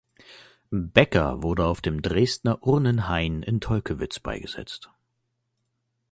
Becker wurde auf dem Dresdner Urnenhain in Tolkewitz beigesetzt.